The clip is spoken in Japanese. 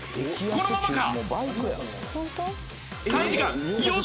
このままか？